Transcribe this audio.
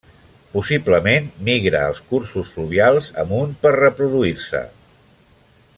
Possiblement migra els cursos fluvials amunt per reproduir-se.